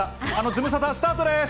ズムサタ、スタートです。